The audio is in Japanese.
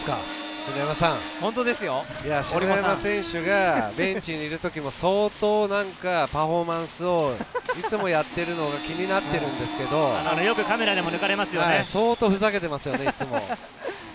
篠山選手もベンチにいる時、相当なパフォーマンスをやっているのが気になってるんですけれども、相当ふざけていますよね、いつも。